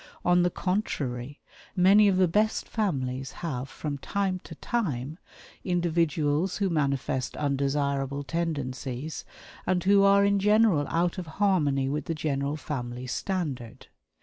On the contrary, many of the best families have, from time to time, individuals who manifest undesirable tendencies, and who are in general out of harmony with the general family standard.